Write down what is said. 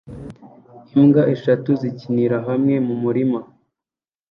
Imbwa eshatu zikinira hamwe mu murima